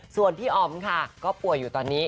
ส่วนพี่อ๋อมค่ะก็ป่วยอยู่ตอนนี้